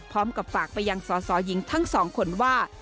พร้อมกับฝากไปยังสสหญิงทั้งสองคนว่า